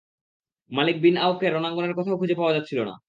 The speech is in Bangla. মালিক বিন আওফকে রণাঙ্গনের কোথাও খুঁজে পাওয়া যাচ্ছিল না।